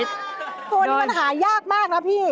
ตัวนี้มันหายากมากนะพี่